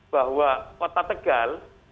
bahwa kota tegal